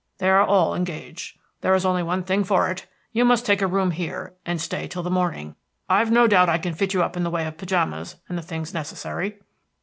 "They are all engaged. There is only one thing for it you must take a room here, and stay till the morning. I've no doubt I can fit you up in the way of pyjamas and the things necessary."